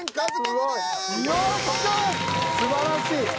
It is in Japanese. すばらしい。